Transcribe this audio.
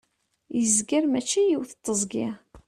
yezger mačči yiwet teẓgi